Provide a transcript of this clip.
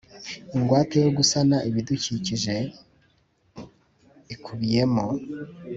Ingwate yo gusana ibidukikije ikubiyemo